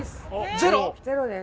ゼロです。